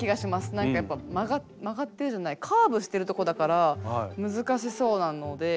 何かやっぱ曲がってるじゃないカーブしてるしてるとこだから難しそうなので。